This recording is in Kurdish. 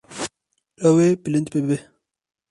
Ew ê bilind bibe.